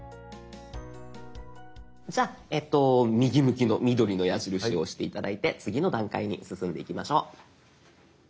じゃあ右向きの緑の矢印を押して頂いて次の段階に進んでいきましょう。